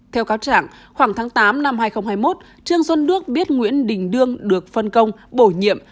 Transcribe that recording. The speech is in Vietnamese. theo cáo trạng khoảng tháng tám năm hai nghìn hai mươi một trương xuân đức biết nguyễn đình đương được phân công bổ nhiệm